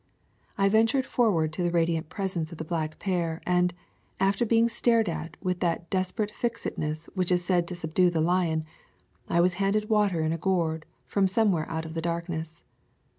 I ventured forward to the radiant presence of the black pair, and, after being stared at with that desperate fixedness which is said to subdue the lion, I was handed water in a gourd from somewhere out of the darkness.